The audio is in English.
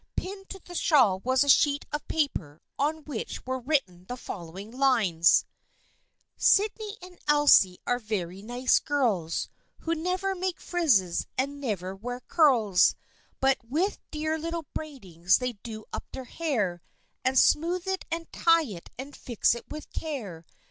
Pinned to the shawl was a sheet of paper on which were written the fol lowing lines :" Sydney and Elsie are very nice girls Who never make frizzes and never wear curls, But with dear little braidings they do up their hair, And smooth it and tie it and fix it with care.